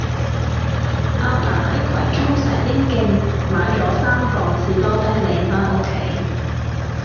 亞爸喺葵涌石英徑買左三磅士多啤梨返屋企